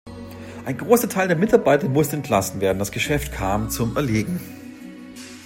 Ein großer Teil der Mitarbeiter musste entlassen werden, das Geschäft kam zum Erliegen.